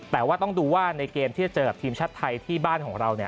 แต่ว่าต้องดูว่าในเกมที่จะเจอกับทีมชาติไทยที่บ้านของเราเนี่ย